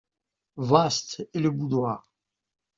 Vaste est le boudoir.